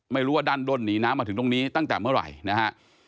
ไม่รู้ว่าด้านด้นหนีน้ำมาถึงตรงนี้ตั้งแต่เมื่อไหร่นะฮะ